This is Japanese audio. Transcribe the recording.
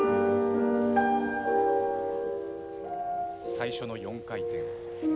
最初の４回転。